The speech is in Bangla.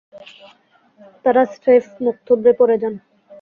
তারা স্রেফ মুখ থুবরে পড়ে যান।